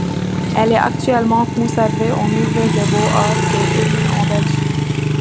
Elle est actuellement conservée au Musée des beaux-arts de Tournai, en Belgique.